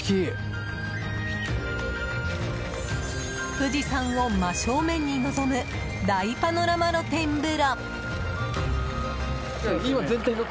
富士山を真正面に望む大パノラマ露天風呂。